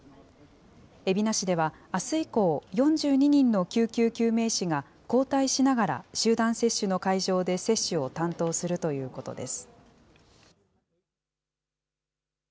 海老名市ではあす以降、４２人の救急救命士が、交代しながら集団接種の会場で接種を担当するということです。